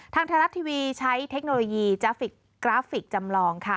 ทางไทยรัฐทีวีใช้เทคโนโลยีกราฟิกกราฟิกจำลองค่ะ